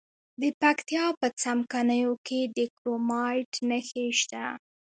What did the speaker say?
د پکتیا په څمکنیو کې د کرومایټ نښې شته.